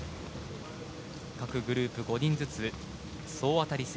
各グループ５人ずつ総当たり戦。